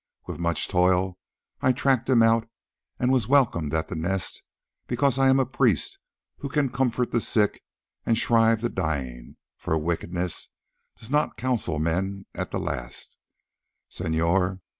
With much toil I tracked him out, and was welcomed at the Nest because I am a priest who can comfort the sick and shrive the dying, for wickedness does not console men at the last, senor.